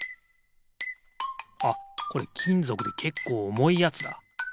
あっこれきんぞくでけっこうおもいやつだ。